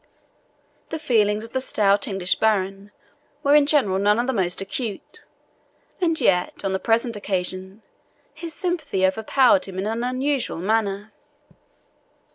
The feelings of the stout English baron were in general none of the most acute, and yet, on the present occasion, his sympathy overpowered him in an unusual manner.